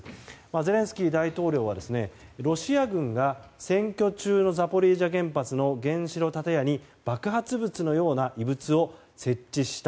ゼレンスキー大統領はロシア軍が占拠中のザポリージャ原発の原子炉建屋に爆発物のような異物を設置した。